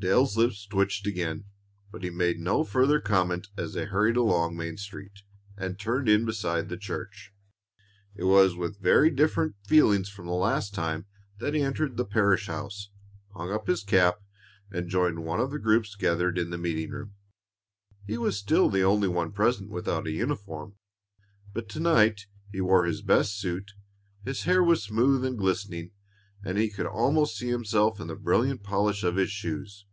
Dale's lips twitched again, but he made no further comment as they hurried along Main Street and turned in beside the church. It was with very different feelings from the last time that he entered the parish house, hung up his cap, and joined one of the groups gathered in the meeting room. He was still the only one present without a uniform, but to night he wore his best suit, his hair was smooth and glistening, and he could almost see himself in the brilliant polish of his shoes.